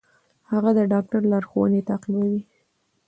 هغه د ډاکټر لارښوونې تعقیبوي.